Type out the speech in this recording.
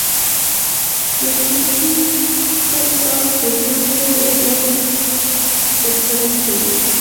مچمچۍ خپل کار په زړه پورې ډول ترسره کوي